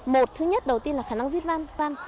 một thứ nhất đầu tiên là khả năng viết văn